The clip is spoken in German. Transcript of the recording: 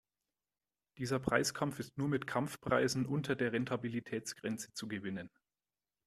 Dieser Preiskampf ist nur mit Kampfpreisen unter der Rentabilitätsgrenze zu gewinnen.